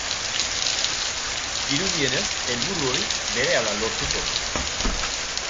Dirudienez, helburu hori berehala lortuko du.